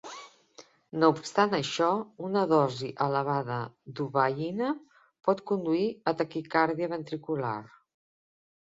No obstant això, una dosi elevada d'uabaïna pot conduir a taquicàrdia ventricular.